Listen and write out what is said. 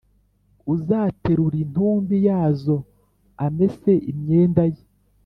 Uzaterura intumbi yazo amese imyenda ye